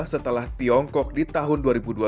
setelah tiongkok di tahun dua ribu dua puluh